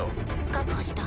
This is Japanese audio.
確保した。